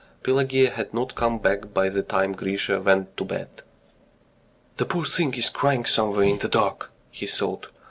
Pelageya had not come back by the time Grisha went to bed. "The poor thing is crying somewhere in the dark!" he thought.